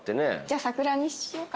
じゃあ桜にしようかな。